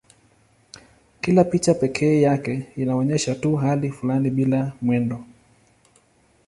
Kila picha pekee yake inaonyesha tu hali fulani bila mwendo.